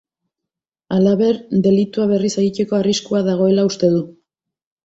Halaber, delitua berriz egiteko arriskua dagoela uste du.